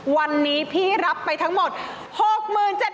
วันนี้พี่รับไปทั้งหมด๖๗๕๐๐บาท